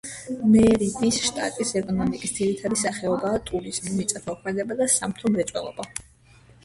მერიდის შტატის ეკონომიკის ძირითადი სახეობაა ტურიზმი, მიწათმოქმედება და სამთო მრეწველობა.